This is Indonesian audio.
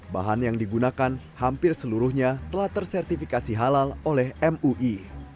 bahan yang digunakan hampir seluruhnya telah tersertifikasi halal oleh mui